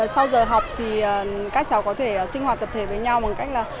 sau giờ học thì các cháu có thể sinh hoạt tập thể với nhau bằng cách là